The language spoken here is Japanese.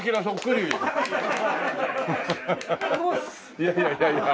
いやいやいやいや。